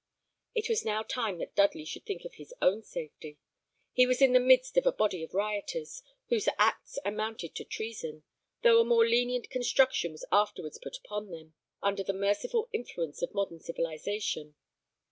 It was now time that Dudley should think of his own safety. He was in the midst of a body of rioters, whose acts amounted to treason, though a more lenient construction was afterwards put upon them, under the merciful influence of modern civilisation.